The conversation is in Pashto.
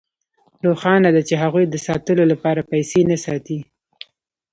روښانه ده چې هغوی د ساتلو لپاره پیسې نه ساتي